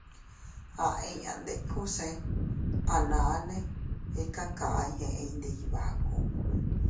Aʼa inña ndikuse a naane ikakay eʼey ndi Iybaku.